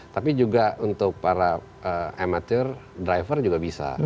tapi juga untuk para amatir driver juga bisa